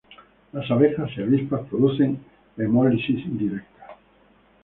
Las abejas y avispas producen hemólisis directa.